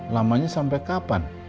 lamanya sampai kapan